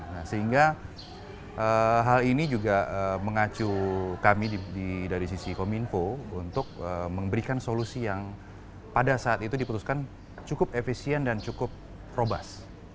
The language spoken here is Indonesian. nah sehingga hal ini juga mengacu kami dari sisi kominfo untuk memberikan solusi yang pada saat itu diputuskan cukup efisien dan cukup probas